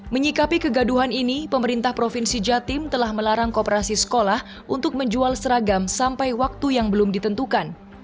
menyikapi kegaduhan ini pemerintah provinsi jatim telah melarang kooperasi sekolah untuk menjual seragam sampai waktu yang belum ditentukan